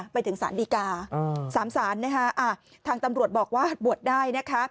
ไปถึงสารดีกา๓สารทางตำรวจบอกว่าบวชได้